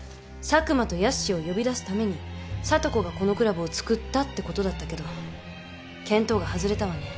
佐久間と泰司を呼び出すために聡子がこのクラブをつくったってことだったけど見当が外れたわね。